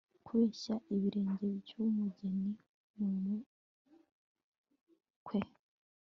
Kubeshya ibirenge byumugeni numukwe